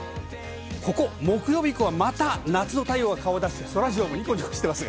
木曜日以降、また夏の太陽が顔を出します。